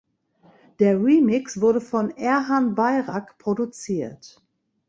Der Remix wurde von Erhan Bayrak produziert.